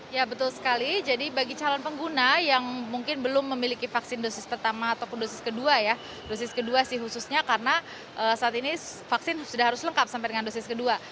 ya betul sekali jadi bagi calon pengguna yang mungkin belum memiliki vaksin dosis pertama ataupun dosis kedua ya dosis kedua sih khususnya karena saat ini vaksin sudah harus lengkap sampai dengan dosis kedua